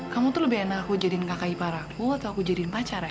kamu tuh lebih enak aku jadiin kakak ipar aku atau aku jadiin pacar ya